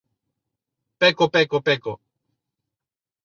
Peco peco peco...